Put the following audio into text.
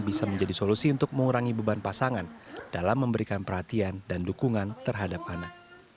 bisa menjadi solusi untuk mengurangi beban pasangan dalam memberikan perhatian dan dukungan terhadap anak